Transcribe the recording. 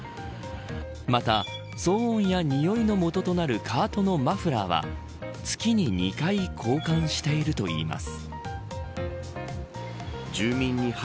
また、騒音や臭いのもととなるカートのマフラーは月に２回交換しているといいます。